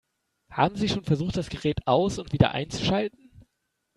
Haben Sie schon versucht, das Gerät aus- und wieder einzuschalten?